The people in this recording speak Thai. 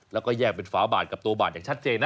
แล้วก็แยกเป็นฝาบาทกับตัวบาดอย่างชัดเจนนะ